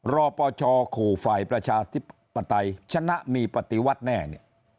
รอปชขู่ฝ่ายประชาธิปไตยชนะมีปฏิวัติแน่เนี่ย